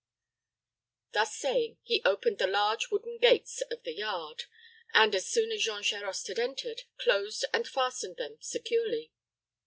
Thus saying, he opened the large wooden gates of the yard, and, as soon as Jean Charost had entered, closed and fastened them securely.